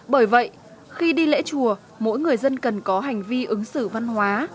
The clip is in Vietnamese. bởi vậy khi đi lễ chùa mỗi người dân cần có hành vi ứng xử văn hóa